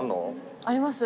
あります。